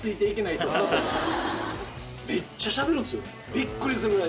びっくりするぐらい。